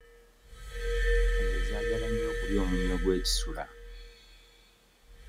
Ente zange zaagala nnyo okulya omunnyo gw'ekisula.